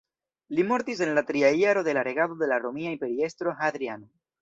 Li mortis en la tria jaro de la regado de la romia imperiestro Hadriano.